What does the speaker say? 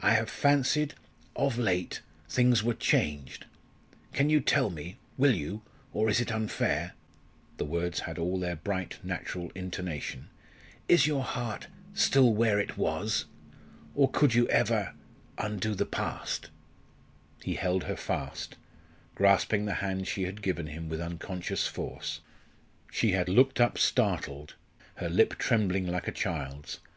I have fancied of late things were changed. Can you tell me will you? or is it unfair?" the words had all their bright, natural intonation "Is your heart still where it was? or, could you ever undo the past " He held her fast, grasping the hand she had given him with unconscious force. She had looked up startled, her lip trembling like a child's.